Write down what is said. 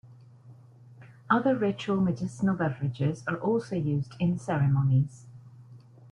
Other ritual medicinal beverages are also used in the ceremonies.